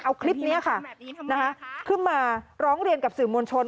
เอาคลิปนี้ค่ะขึ้นมาร้องเรียนกับสื่อมวลชน